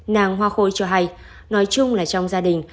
nàng hoa khôi cho hay nói chung là trong gia đình